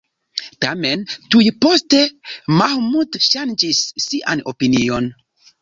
Tamen, tuj poste Mahmud ŝanĝis sian opinion.